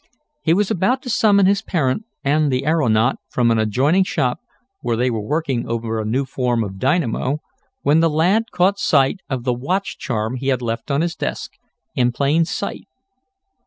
He was about to summon his parent and the aeronaut from an adjoining shop, where they were working over a new form of dynamo, when the lad caught sight of the watch charm he had left on his desk, in plain sight.